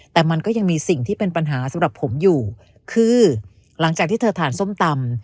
แต่มันก็ยังมีสิ่งที่เป็นปัญหาสำหรับผมอยู่คือหลังจากที่เธอทานส้มตำ